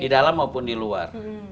di dalam maupun di luar